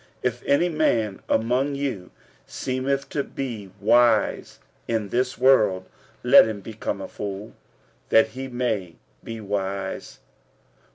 If any man among you seemeth to be wise in this world, let him become a fool, that he may be wise.